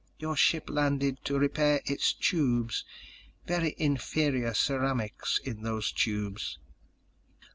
Your ship landed to repair its tubes. Very inferior ceramics in those tubes."